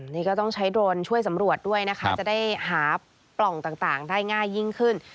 นี่ก็ต้องใช้โดรนช่วยสำรวจด้วยนะคะจะได้หาปล่องต่างได้ง่ายยิ่งขึ้น